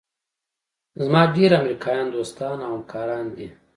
زما ډېر امریکایان دوستان او همکاران دي.